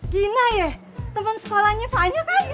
gina ya temen sekolahnya fanya